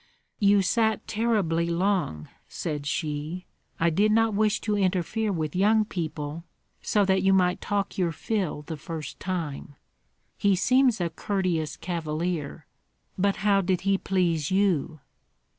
"You sat terribly long," said she. "I did not wish to interfere with young people, so that you might talk your fill the first time. He seems a courteous cavalier. But how did he please you?"